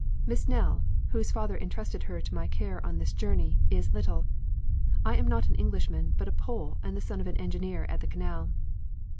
"Miss Nell, whose father entrusted her to my care on this journey, is little. I am not an Englishman but a Pole and the son of an engineer at the Canal."